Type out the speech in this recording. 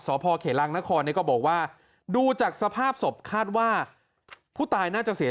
สพเขลังนครเนี่ยก็บอกว่าดูจากสภาพศพคาดว่าผู้ตายน่าจะเสีย